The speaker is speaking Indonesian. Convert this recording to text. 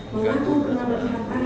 mengaku pernah berhantar